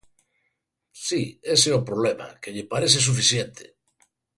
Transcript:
Si, ese é o problema, que lle parece suficiente.